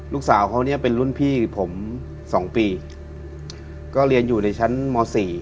ลูกสาวเขาเนี่ยเป็นรุ่นพี่ผมสองปีก็เรียนอยู่ในชั้นม๔